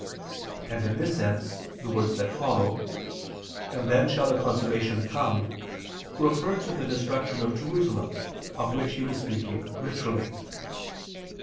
And in this sense the words that follow "and then shall the consummation come," refer to the destruction of Jerusalem, of which He was speaking literally.